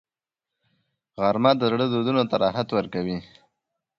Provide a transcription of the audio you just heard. غرمه د زړه دردونو ته راحت ورکوي